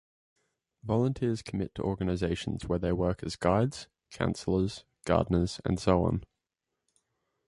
Volunteers commit to organisations where they work as guides, counsellors, gardeners and so on.